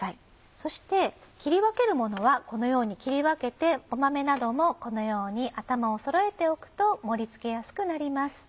そして切り分けるものはこのように切り分けてごまめなどもこのように頭をそろえておくと盛りつけやすくなります。